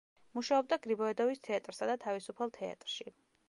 მუშაობდა გრიბოედოვის თეატრსა და თავისუფალ თეატრში.